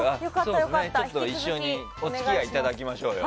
一緒にお付き合いいただきましょうよ。